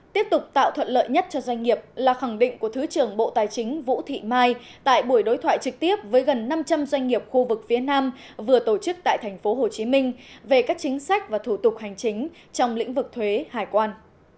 tiếp tục tạo thuận lợi nhất cho doanh nghiệp là khẳng định của thứ trưởng bộ tài chính vũ thị mai tại buổi đối thoại trực tiếp với gần năm trăm linh doanh nghiệp khu vực phía nam vừa tổ chức tại tp hcm về các chính sách và thủ tục hành chính trong lĩnh vực thuế hải quan